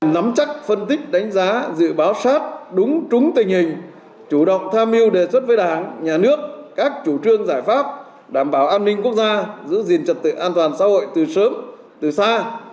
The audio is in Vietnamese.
nắm chắc phân tích đánh giá dự báo sát đúng trúng tình hình chủ động tham mưu đề xuất với đảng nhà nước các chủ trương giải pháp đảm bảo an ninh quốc gia giữ gìn trật tự an toàn xã hội từ sớm từ xa